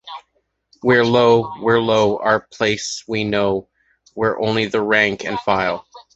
We're low—we're low—our place we know, We're only the rank and file.